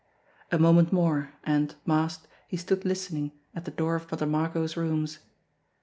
A moment more and, masked, he stood listening, at the door of Mother Margot's rooms.